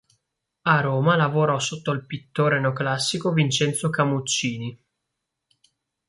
A Roma lavorò sotto il pittore neoclassico Vincenzo Camuccini.